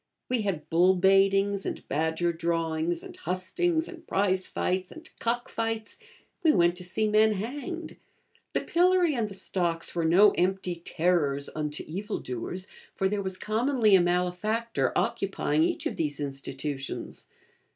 We had bull baitings, and badger drawings, and hustings, and prize fights, and cock fights; we went to see men hanged; the pillory and the stocks were no empty 'terrors unto evil doers,' for there was commonly a malefactor occupying each of these institutions.